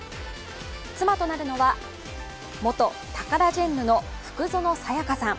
妻となるの元タカラジェンヌの福薗清香さん。